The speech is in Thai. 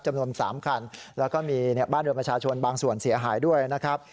จำนวน๓คันแล้วก็มีบ้านเรือนประชาชนบางส่วนเสียหายด้วยนะครับ